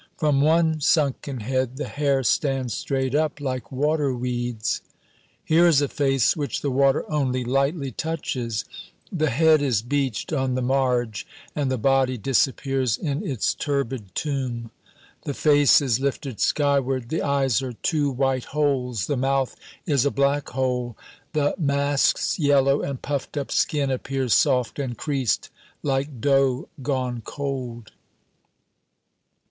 From one sunken head the hair stands straight up like water weeds. Here is a face which the water only lightly touches; the head is beached on the marge, and the body disappears in its turbid tomb. The face is lifted skyward. The eyes are two white holes; the mouth is a black hole. The mask's yellow and puffed up skin appears soft and creased, like dough gone cold.